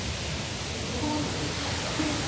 言葉ってことですか？